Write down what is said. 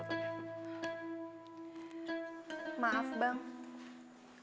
karena ada sesuatu yang pengen gue ngobrolin aja sama bang rahmadi